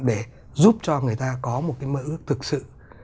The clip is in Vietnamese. để giúp cho người ta có một cái mơ ước thực sự